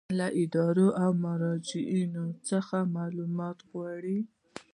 له ادارو او مراجعو څخه معلومات غواړي.